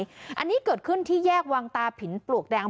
ตัวผู้เสียหายอันนี้เกิดขึ้นที่แยกวางตาผินปลวกแดง